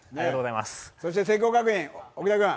そして、聖光学院、奥田君。